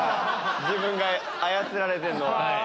自分が操られてるのは。